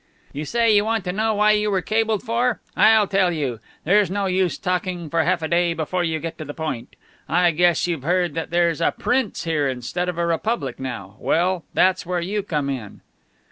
"You say you want to know why you were cabled for. I'll tell you. There's no use talking for half a day before you get to the point. I guess you've heard that there's a prince here instead of a republic now? Well, that's where you come in."